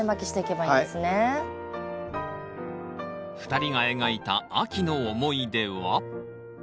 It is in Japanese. ２人が描いた秋の思い出は？